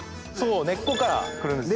根っこからくるんですよ。